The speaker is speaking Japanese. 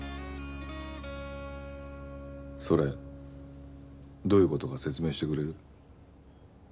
それどういう事か説明してくれる？